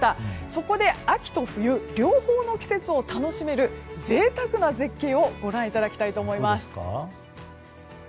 そこで、秋と冬両方の季節を楽しめる贅沢な絶景をご覧いただきたいと思います。